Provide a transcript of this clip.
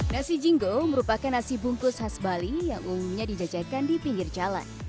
nasi jingo merupakan nasi bungkus khas bali yang umumnya dijajakan di pinggir jalan